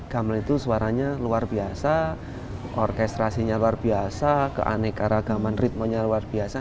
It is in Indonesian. gamelan itu suaranya luar biasa orkestrasinya luar biasa keanekaragaman ritmenya luar biasa